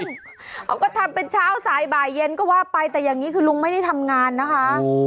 เขาก็ทำเป็นเช้าสายบ่ายเย็นก็ว่าไปแต่อย่างนี้คือลุงไม่ได้ทำงานนะคะ